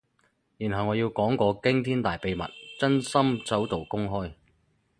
然後我要講個驚天大秘密，真心首度公開